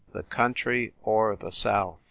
The country or the south !